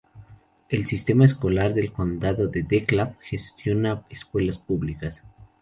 El Sistema Escolar del Condado de DeKalb gestiona escuelas públicas.